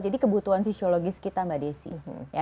jadi kebutuhan fisiologis kita mbak drissy